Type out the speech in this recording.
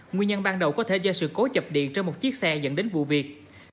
nguyên nhân ban đầu có thể do sự cố chập điện trên một chiếc xe dẫn đến vụ việc